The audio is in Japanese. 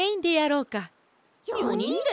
４にんで！？